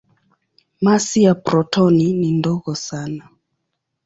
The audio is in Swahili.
Masi ya protoni ni ndogo sana.